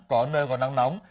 có nơi còn nắng nóng